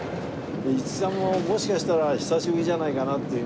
五木さんももしかしたら久しぶりじゃないかなっていうふうに。